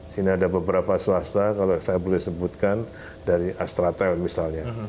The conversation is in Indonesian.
sini ada beberapa swasta kalau saya boleh sebutkan dari astratel misalnya